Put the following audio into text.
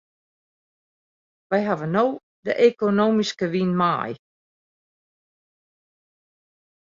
Wy hawwe no de ekonomyske wyn mei.